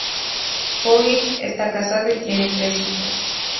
Puig está casado y tiene tres hijas.